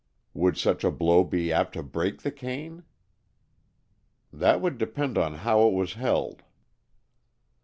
"Would such a blow be apt to break the cane?" "That would depend on how it was held."